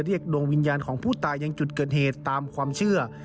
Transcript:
ดวงวิญญาณของผู้ตายยังจุดเกิดเหตุตามความเชื่อ